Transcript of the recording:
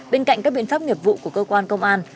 bên cạnh các biện pháp nghiệp vụ của cơ quan công an